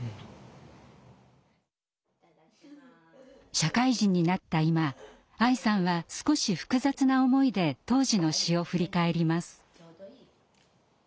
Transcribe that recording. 社会人になった今愛さんは少し複雑な思いで当時の詩を振り返ります。